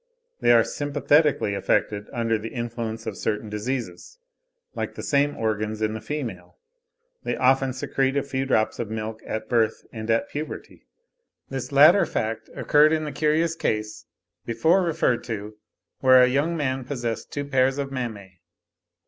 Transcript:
They are sympathetically affected under the influence of certain diseases, like the same organs in the female. They often secrete a few drops of milk at birth and at puberty: this latter fact occurred in the curious case, before referred to, where a young man possessed two pairs of mammae.